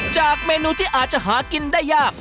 จากเมนูที่อาจจะหากินได้ยาก